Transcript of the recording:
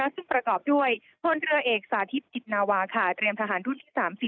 ซึ่งประกอบด้วยพลเรือเอกสาธิตจิตนาวาค่ะเตรียมทหารรุ่นที่๓๐